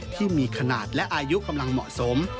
ที่มีขนาดและอายุกำลังเหมาะสม